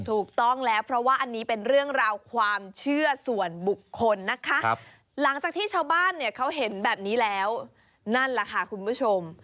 ถูกต้องแล้วเพราะว่าอันนี้เป็นเรื่องราวความเชื่อส่วนบุคคลนะคะหลังจากที่ชาวบ้านเนี่ยเขาเห็นแบบนี้แล้วนั่นแหละค่ะคุณผู้ชม